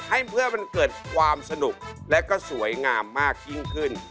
ให้เพื่อมันเกิดความสนุกและก็สวยงามมากยิ่งขึ้น